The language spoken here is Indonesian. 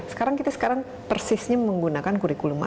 sekarang kita sekarang persisnya menggunakan kurikulum apa